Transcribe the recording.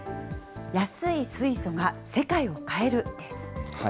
安い水素が世界を変える！です。